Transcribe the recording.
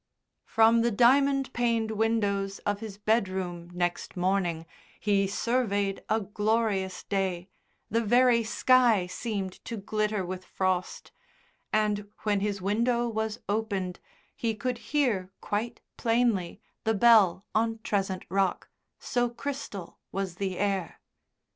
From the diamond paned windows of his bedroom next morning he surveyed a glorious day, the very sky seemed to glitter with frost, and when his window was opened he could hear quite plainly the bell on Trezent Rock, so crystal was the air.